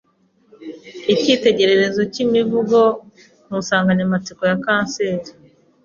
icyitegererezo cy'imivugo ku nsanganyamatsiko ya kanseri